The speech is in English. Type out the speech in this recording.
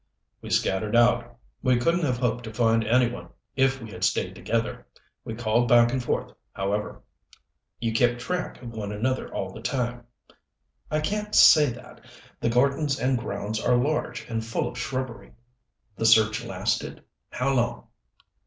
"We scattered out. We couldn't have hoped to find any one if we had stayed together. We called back and forth, however." "You kept track of one another all the time?" "I can't say that. The gardens and grounds are large and full of shrubbery." "The search lasted how long?"